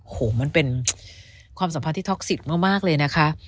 โอ้โหมันเป็นความสัมพันธ์ที่ท็อกสิทธิ์มากเลยนะคะ